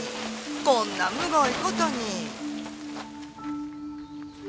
こんなむごい事に。